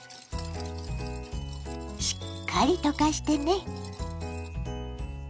しっかり溶かしてね。